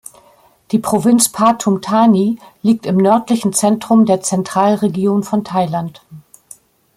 Die Provinz Pathum Thani liegt im nördlichen Zentrum der Zentralregion von Thailand.